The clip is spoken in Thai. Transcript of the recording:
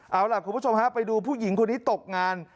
เอาล่ะคุณผู้ชมฮะไปดูผู้หญิงคนนี้ตกงาน